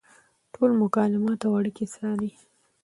ټول مکالمات او اړیکې څاري.